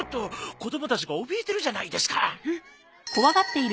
子供たちが怯えてるじゃないですか！